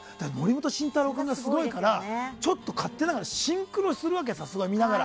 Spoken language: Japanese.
森本慎太郎くんがすごいからちょっと勝手だけどシンクロするわけさ、見ながら。